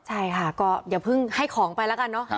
ใช่ค่ะก็อย่าเพิ่งให้ของไปแล้วกันเนอะ